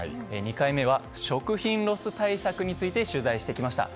２回目は食品ロス対策について取材してきました。